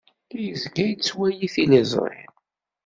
Yezga yettwali tiliẓri.